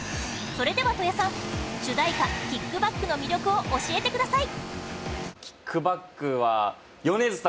それでは、戸谷さん主題歌『ＫＩＣＫＢＡＣＫ』の魅力を教えてください